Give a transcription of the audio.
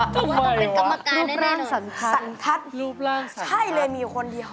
ทำไมเหรอรูปร่างสรรทัศน์ใช่เลยมีคนดีครับ